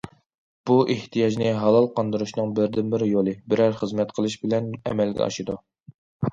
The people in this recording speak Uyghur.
بۇ ئېھتىياجنى ھالال قاندۇرۇشنىڭ بىردىنبىر يولى بىرەر خىزمەت قىلىش بىلەن ئەمەلگە ئاشىدۇ.